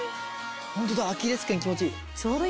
ホントだアキレス腱気持ちいい。